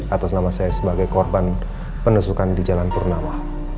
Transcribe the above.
atas nama saya sebagai korban penusukan di jalan purnawa